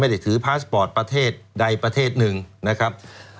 ถือพาสปอร์ตประเทศใดประเทศหนึ่งนะครับ